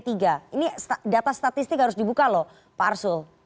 ini data statistik harus dibuka loh pak arsul